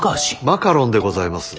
マカロンでございます。